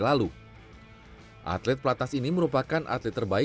entah itu emas perak atau perunggu